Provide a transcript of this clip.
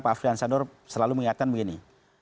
pak afri hansandor selalu mengingatkan begini